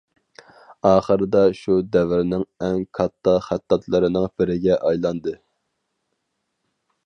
ئاخىرىدا شۇ دەۋرنىڭ ئەڭ كاتتا خەتتاتلىرىنىڭ بىرىگە ئايلاندى.